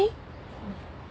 うん。